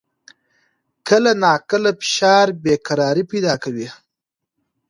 کله ناکله فشار بې قراري پیدا کوي.